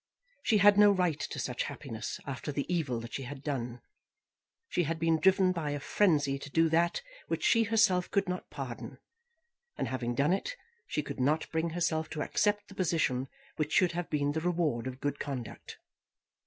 She had no right to such happiness after the evil that she had done. She had been driven by a frenzy to do that which she herself could not pardon; and having done it, she could not bring herself to accept the position which should have been the reward of good conduct.